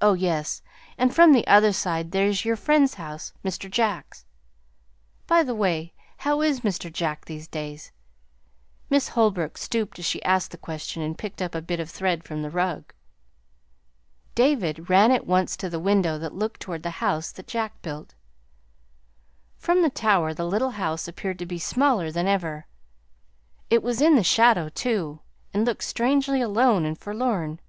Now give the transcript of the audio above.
Oh yes, and from the other side there's your friend's house Mr. Jack's. By the way, how is Mr. Jack these days?" Miss Holbrook stooped as she asked the question and picked up a bit of thread from the rug. David ran at once to the window that looked toward the House that Jack Built. From the tower the little house appeared to be smaller than ever. It was in the shadow, too, and looked strangely alone and forlorn.